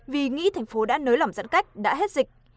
vì nghĩ thành phố đã nới lỏng giãn cách đã hết dịch